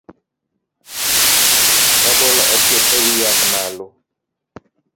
Rabolo ochiek ewiyath malo